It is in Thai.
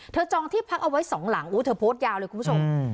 จองที่พักเอาไว้สองหลังเธอโพสต์ยาวเลยคุณผู้ชม